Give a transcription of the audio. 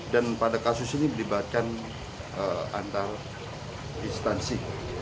dan pada kasus ini melibatkan antar distansi